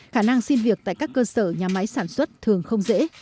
khả năng xin việc tại các cơ sở nhà máy sản xuất thường không dễ